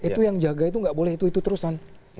itu yang jaga itu nggak boleh itu itu terusan